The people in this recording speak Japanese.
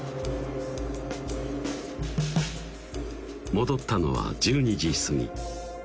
戻ったのは１２時過ぎ